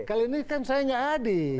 kali ini kan saya tidak hadir